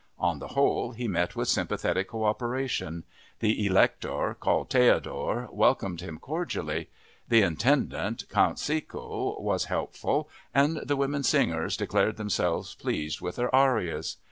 On the whole he met with sympathetic cooperation. The Elector, Carl Theodor, welcomed him cordially. The Intendant, Count Seeau, was helpful, and the women singers declared themselves pleased with their arias.